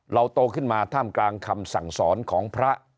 โตขึ้นมาท่ามกลางคำสั่งสอนของพระ